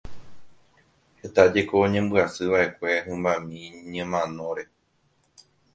Heta jeko oñembyasyva'ekue hymbami ñemanóre.